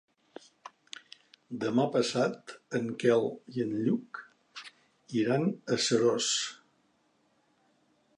Demà passat en Quel i en Lluc iran a Seròs.